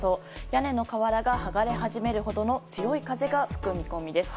屋根の瓦が剥がれ始めるほどの強い風が吹く見込みです。